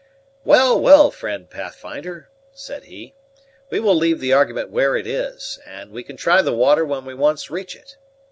"Well, well, friend Pathfinder," said he, "we will leave the argument where it is; and we can try the water when we once reach it.